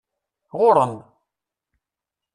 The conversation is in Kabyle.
Ɣuṛ-m!